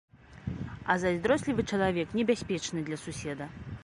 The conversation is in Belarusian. А зайздрослівы чалавек небяспечны для суседа.